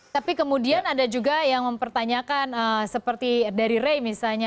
tapi kemudian ada juga yang mempertanyakan seperti dari rey misalnya